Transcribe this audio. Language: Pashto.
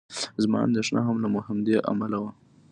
زما اندېښنه هم له همدې امله وه.